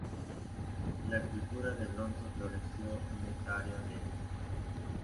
La cultura de bronce floreció en esta área desde ca.